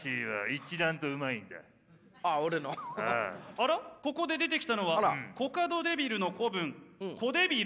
あらここで出てきたのはコカドデビルの子分コデビル。